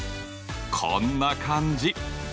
こんな感じ。